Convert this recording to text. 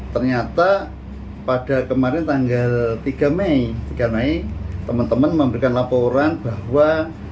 ternyata pada kemarin tanggal tiga mei tiga mei teman teman memberikan laporan bahwa